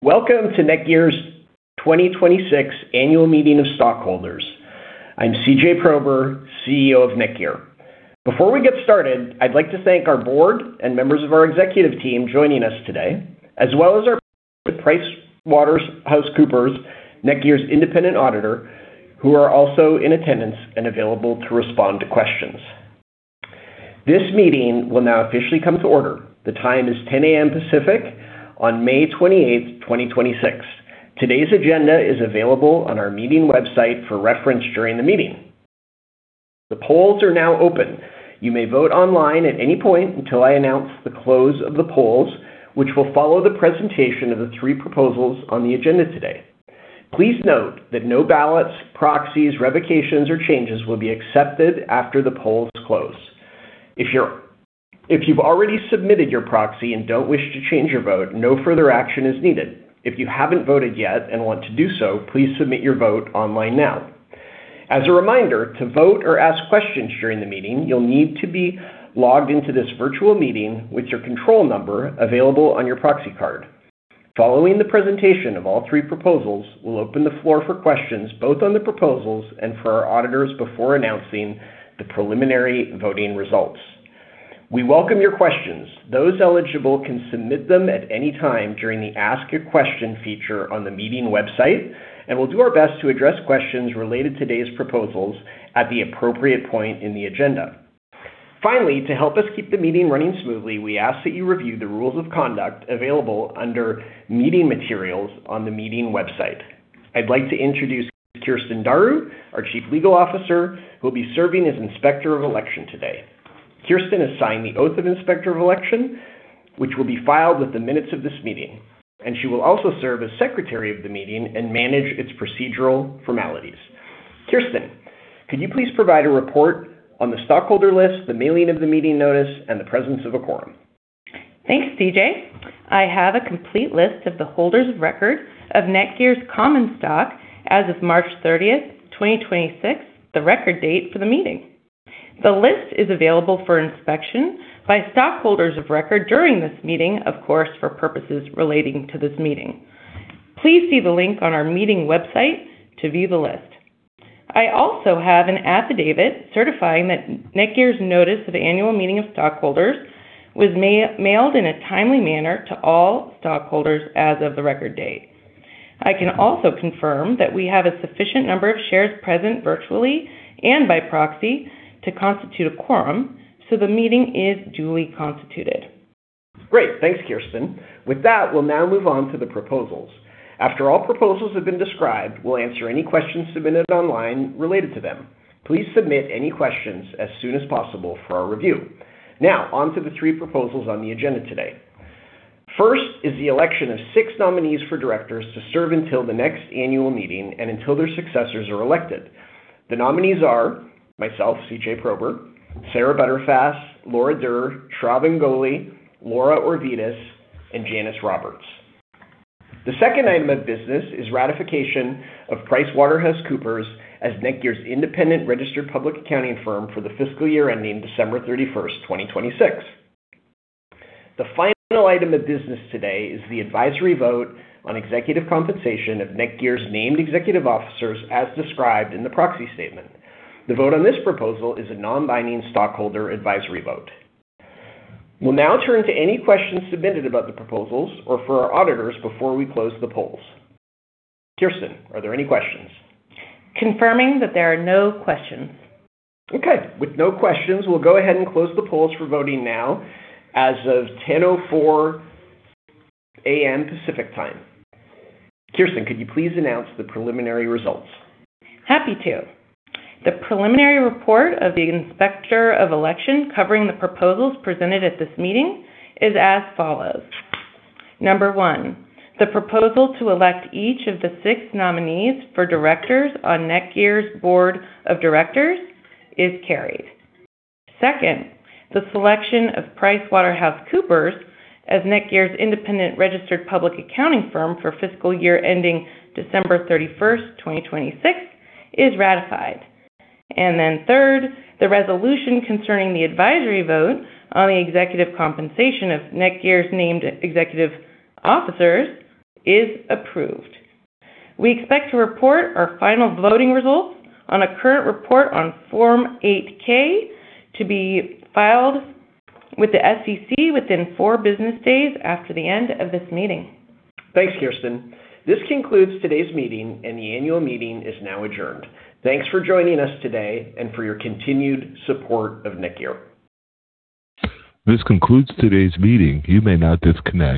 Welcome to NETGEAR's 2026 Annual Meeting of Stockholders. I'm CJ Prober, CEO of NETGEAR. Before we get started, I'd like to thank our board and members of our executive team joining us today, as well as our partners at PricewaterhouseCoopers, NETGEAR's independent auditor, who are also in attendance and available to respond to questions. This meeting will now officially come to order. The time is 10:00 A.M. Pacific on May 28, 2026. Today's agenda is available on our meeting website for reference during the meeting. The polls are now open. You may vote online at any point until I announce the close of the polls, which will follow the presentation of the three proposals on the agenda today. Please note that no ballots, proxies, revocations, or changes will be accepted after the polls close. If you've already submitted your proxy and don't wish to change your vote, no further action is needed. If you haven't voted yet and want to do so, please submit your vote online now. As a reminder, to vote or ask questions during the meeting, you'll need to be logged into this virtual meeting with your control number available on your proxy card. Following the presentation of all three proposals, we'll open the floor for questions, both on the proposals and for our auditors before announcing the preliminary voting results. We welcome your questions. Those eligible can submit them at any time during the Ask a Question feature on the meeting website, and we'll do our best to address questions related to today's proposals at the appropriate point in the agenda. Finally, to help us keep the meeting running smoothly, we ask that you review the rules of conduct available under Meeting Materials on the meeting website. I'd like to introduce Kirsten Daru, our Chief Legal Officer, who will be serving as Inspector of Election today. Kirsten has signed the Oath of Inspector of Election, which will be filed with the minutes of this meeting, and she will also serve as Secretary of the meeting and manage its procedural formalities. Kirsten, could you please provide a report on the stockholder list, the mailing of the meeting notice, and the presence of a quorum? Thanks, CJ. I have a complete list of the holders of record of NETGEAR's common stock as of March 30th, 2026, the record date for the meeting. The list is available for inspection by stockholders of record during this meeting, of course, for purposes relating to this meeting. Please see the link on our meeting website to view the list. I also have an affidavit certifying that NETGEAR's notice of Annual Meeting of Stockholders was mailed in a timely manner to all stockholders as of the record date. I can also confirm that we have a sufficient number of shares present virtually and by proxy to constitute a quorum, so the meeting is duly constituted. Great. Thanks, Kirsten. We'll now move on to the proposals. After all proposals have been described, we'll answer any questions submitted online related to them. Please submit any questions as soon as possible for our review. On to the three proposals on the agenda today. First is the election of six nominees for directors to serve until the next annual meeting and until their successors are elected. The nominees are myself, CJ Prober, Sarah Butterfass, Laura Durr, Shravan Goli, Laura Orvidas, and Janice Roberts. The second item of business is ratification of PricewaterhouseCoopers as NETGEAR's independent registered public accounting firm for the fiscal year ending December 31st, 2026. The final item of business today is the advisory vote on executive compensation of NETGEAR's named executive officers, as described in the proxy statement. The vote on this proposal is a non-binding stockholder advisory vote. We'll now turn to any questions submitted about the proposals or for our auditors before we close the polls. Kirsten, are there any questions? Confirming that there are no questions. Okay. With no questions, we'll go ahead and close the polls for voting now as of 10:04 A.M. Pacific Time. Kirsten, could you please announce the preliminary results? Happy to. The preliminary report of the Inspector of Election covering the proposals presented at this meeting is as follows. Number one, the proposal to elect each of the six nominees for directors on NETGEAR's Board of Directors is carried. Second, the selection of PricewaterhouseCoopers as NETGEAR's independent registered public accounting firm for fiscal year ending December 31st, 2026 is ratified. Third, the resolution concerning the advisory vote on the executive compensation of NETGEAR's named executive officers is approved. We expect to report our final voting results on a current report on Form 8-K to be filed with the SEC within four business days after the end of this meeting. Thanks, Kirsten. This concludes today's meeting, and the annual meeting is now adjourned. Thanks for joining us today and for your continued support of NETGEAR. This concludes today's meeting. You may now disconnect.